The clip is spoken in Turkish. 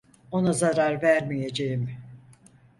Ona zarar vermeyeceğim.